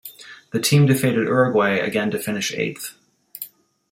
The team defeated Uruguay again to finish eighth.